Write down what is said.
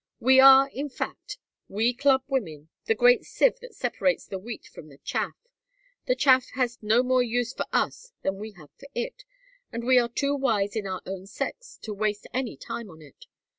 We are, in fact, we Club Women, the great sieve that separates the wheat from the chaff; the chaff has no more use for us than we have for it, and we are too wise in our own sex to waste any time on it.